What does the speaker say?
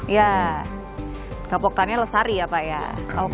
iya gapoktan nya lestari ya pak ya oke